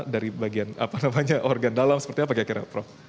dari bagian apa namanya organ dalam seperti apa kira kira prof